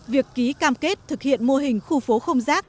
việc ký cam kết thực hiện mô hình khu phố không rác